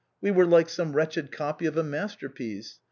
We were like some wretched copy of a master piece